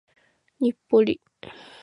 日暮里